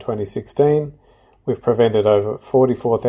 dengan memperbaiki program reef aid ini